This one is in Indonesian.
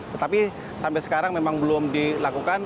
tetapi sampai sekarang memang belum dilakukan